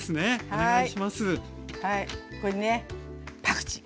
はい。